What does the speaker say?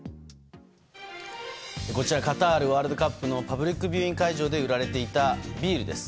カタールワールドカップのパブリックビューイング会場で売られていたビールです。